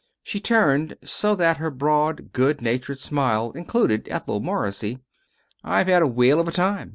She turned so that her broad, good natured smile included Ethel Morrissey. "I've had a whale of a time.